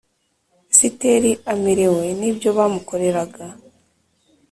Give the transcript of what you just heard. Esiteri amerewe n ibyo bamukoreraga